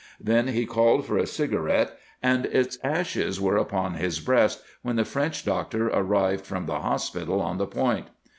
Then he called for a cigarette, and its ashes were upon his breast when the French doctor arrived from the hospital on the Point.